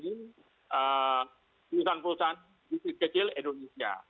perusahaan perusahaan di sisi kecil indonesia